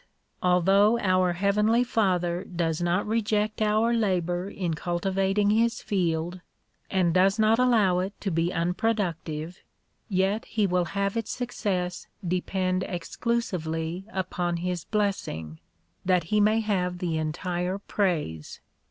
though our heavenly Father does not reject our labour in cultivating his field, and does not allow it to be unproduc tive, yet he will have its success depend exclusively upon his blessing, that he may have the entire praise.